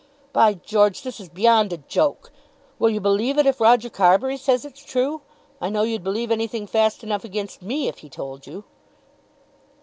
"By George, this is beyond a joke. Will you believe it if Roger Carbury says it's true? I know you'd believe anything fast enough against me, if he told you."